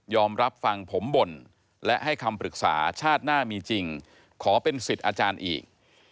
รับฟังผมบ่นและให้คำปรึกษาชาติหน้ามีจริงขอเป็นสิทธิ์อาจารย์อีก